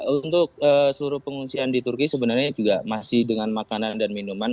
untuk seluruh pengungsian di turki sebenarnya juga masih dengan makanan dan minuman